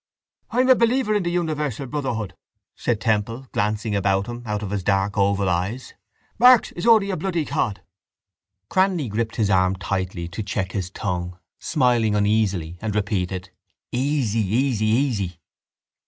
—I'm a believer in universal brotherhood, said Temple, glancing about him out of his dark oval eyes. Marx is only a bloody cod. Cranly gripped his arm tightly to check his tongue, smiling uneasily, and repeated: —Easy, easy, easy!